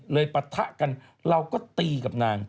ปะทะกันเราก็ตีกับนาง